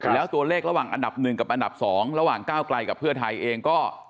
แล้วตัวเลขระหว่างอันดับ๑กับอันดับ๒ระหว่างก้าวไกลกับเพื่อไทยเองก็